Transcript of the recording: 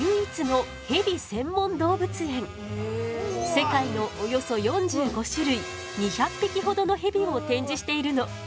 世界のおよそ４５種類２００匹ほどのヘビを展示しているの。